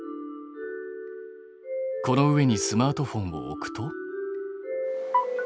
この上にスマートフォンを置くと。